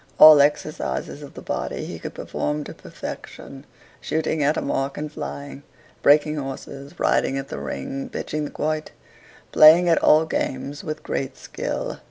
All exercises of the body he could perform to perfection shooting at a mark and flying, breaking horses, riding at the ring, pitching the quoit, playing at all games with great skill.